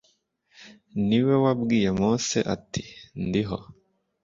Ni we wabwiye Mose ati: «Ndiho».